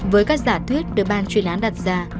với các giả thuyết được ban chuyên án đặt ra